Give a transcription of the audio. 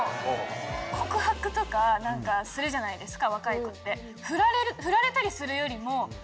告白するじゃないですか若い子って。